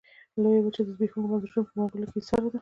لویه وچه د زبېښونکو بنسټونو په منګلو کې ایساره ده.